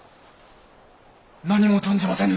何も存じませぬ。